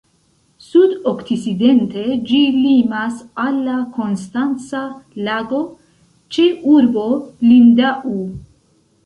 Sud-okcidente ĝi limas al la Konstanca Lago, ĉe urbo Lindau.